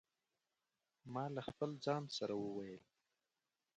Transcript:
ما له خپل ځانه سره وویل.